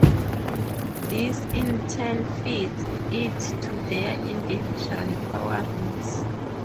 This in turns feeds it to their individual power rings.